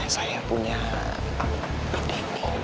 saya punya ide